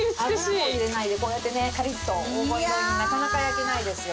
油も入れないでこうやってねカリッと黄金色になかなか焼けないですよ。